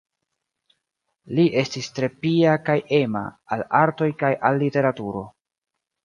Li estis tre pia kaj ema al artoj kaj al literaturo.